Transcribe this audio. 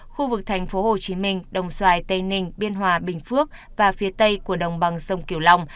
khu vực thành phố hồ chí minh đồng xoài tây ninh biên hòa bình phước và phía tây của đồng bằng sông kiều long